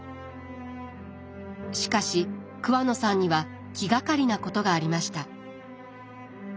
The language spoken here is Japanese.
しかし桑野さんには気がかりなことがありました。